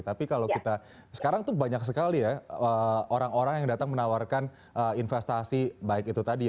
tapi kalau kita sekarang tuh banyak sekali ya orang orang yang datang menawarkan investasi baik itu tadi